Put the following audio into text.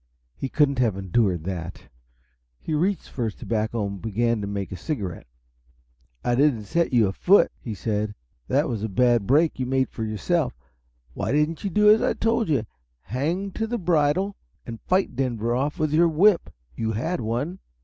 He couldn't have endured that. He reached for his tobacco and began to make a cigarette. "I didn't set you afoot," he said. "That was a bad break you made yourself. Why didn't you do as I told you hang to the bridle and fight Denver off with your whip? You had one."